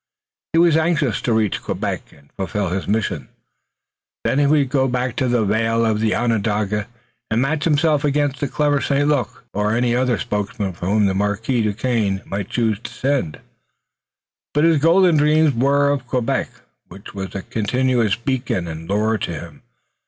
He was anxious to reach Quebec and fulfill his mission. Then he would go back to the vale of Onondaga and match himself against the clever St. Luc or any other spokesman whom the Marquis Duquesne might choose to send. But his golden dreams were of Quebec, which was a continuous beacon and lure to him.